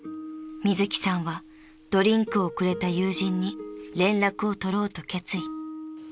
［みずきさんはドリンクをくれた友人に連絡を取ろうと決意］